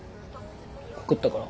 告ったから？